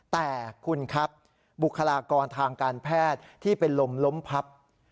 แต่คุณครับบุคลากรทางการแพทย์ที่เป็นลมล้มพับ